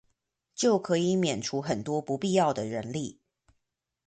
就可以免除很多不必要的人力